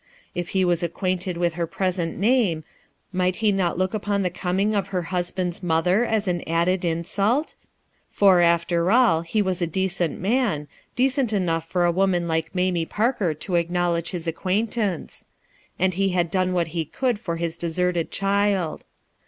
If he was acquainted with her present name, might be not look upon the com ing of her husband's mother as an added insult ? For, after all, he was a decent man, decent enough for a woman like Mamie Parker to acknowledge his acquaintance; and he had done what he could for his deserted child.